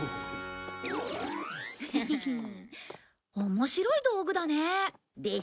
面白い道具だね。でしょ？